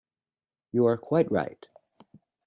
You are quite right.